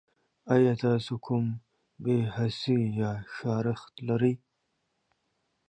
ایا تاسو کوم بې حسي یا خارښت لرئ؟